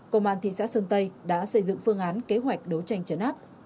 công an thị xã sơn tây đã xây dựng phương án kế hoạch đấu tranh chấn áp